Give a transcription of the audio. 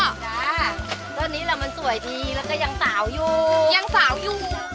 จ้าต้นนี้แหละมันสวยดีแล้วก็ยังสาวอยู่